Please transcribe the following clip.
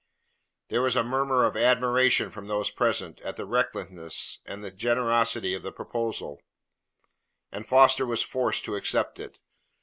There was a murmur of admiration from those present at the recklessness and the generosity of the proposal, and Foster was forced to accept it.